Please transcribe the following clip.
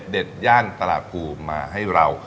เด็ดย่านตลาดภูมิมาให้เรา